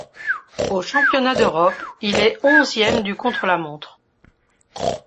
Aux championnats d'Europe, il est onzième du contre-la-montre.